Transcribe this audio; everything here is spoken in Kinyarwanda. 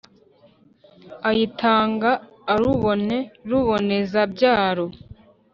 ayitanga urubone ruboneza-byaro,